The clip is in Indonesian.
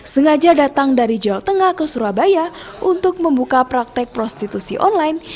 sengaja datang dari jawa tengah ke surabaya untuk membuka praktek prostitusi online